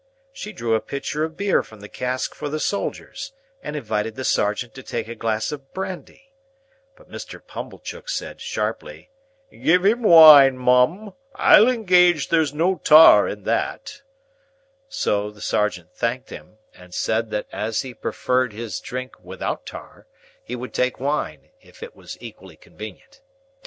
She drew a pitcher of beer from the cask for the soldiers, and invited the sergeant to take a glass of brandy. But Mr. Pumblechook said, sharply, "Give him wine, Mum. I'll engage there's no tar in that:" so, the sergeant thanked him and said that as he preferred his drink without tar, he would take wine, if it was equally convenient.